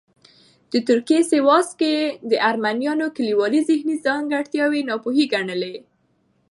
د ترکیې سیواس کې یې د ارمینیايي کلیوالو ذهني ځانګړتیاوې ناپوهې ګڼلې.